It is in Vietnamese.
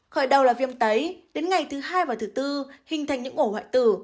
khởi đầu là viêm tấy đến ngày thứ hai và thứ tư hình thành những ổ hoại tử